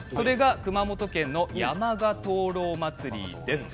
熊本県の山鹿灯籠まつりです。